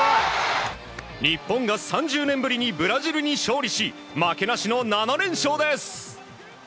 日本が３０年ぶりにブラジルに勝利し負けなしの７連勝です！